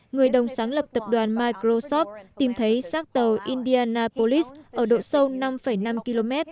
người đồng sáng lập tập đoàn microsoft tìm thấy sát tàu indianapolis ở độ sâu năm năm km